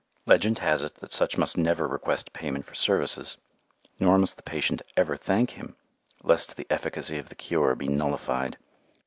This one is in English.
Legend has it that such must never request payment for services, nor must the patient ever thank him, lest the efficacy of the cure be nullified.